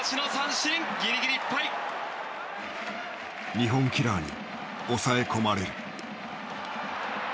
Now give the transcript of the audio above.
日本キラーに抑え込まれる。